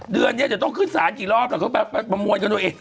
เดือนนี้จะต้องขึ้นศาลกี่รอบเดี๋ยวไปประมวลกันด้วยเอง